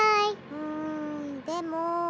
うんでも。